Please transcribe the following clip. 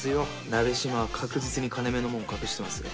「なべしま」は確実に金目のものを隠してますよ。